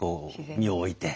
身を置いて。